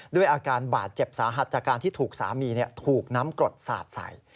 ด้วยอาการบาดเจ็บสาหัสจากการที่ถูกสามีถูกน้ำกรดสาดใส่